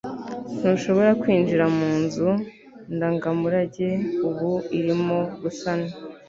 ntushobora kwinjira mu nzu ndangamurage ubu irimo gusanwa